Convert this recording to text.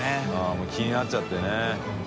もう気になっちゃってね。